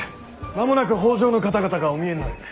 間もなく北条の方々がお見えになる。